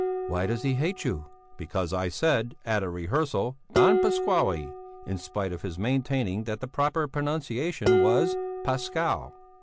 "Why does he hate you?" "Because I said, at a rehearsal, Don Pasquale, in spite of his maintaining that the proper pronunciation was Pascal.